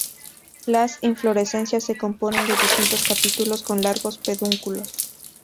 Las inflorescencias se componen de distintos capítulos con largos pedúnculos.